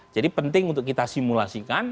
jadi penting untuk kita simulasikan